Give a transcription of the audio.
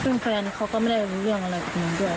ซึ่งแฟนเขาก็ไม่ได้รู้เรื่องอะไรแบบนี้ด้วย